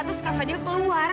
terus kak fadil keluar